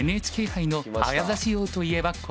ＮＨＫ杯の早指し王といえばこの方。